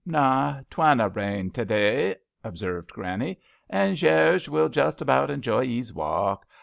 "Naw, tVanna rain to day/* observed Granny, "and Jarge will just about enjoy 'ees walk.